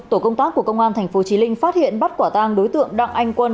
tổ công tác của công an tp chí linh phát hiện bắt quả tang đối tượng đặng anh quân